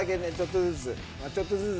ちょっとずつ。